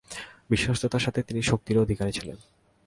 বিশ্বস্ততার সাথে তিনি শক্তিরও অধিকারী ছিলেন।